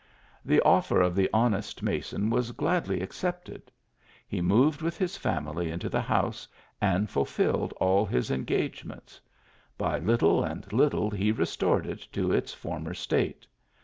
The offer of the honest mason was gladly ac cepted ; he moved with his family into the house, and fulfilled all his engagements. By little and little he restored it to its former state.